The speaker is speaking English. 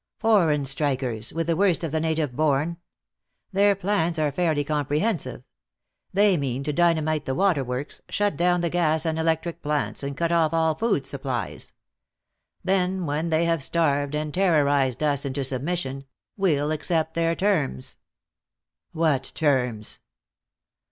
"Foreign strikers, with the worst of the native born. Their plans are fairly comprehensive; they mean to dynamite the water works, shut down the gas and electric plants, and cut off all food supplies. Then when they have starved and terrorized us into submission, we'll accept their terms." "What terms?"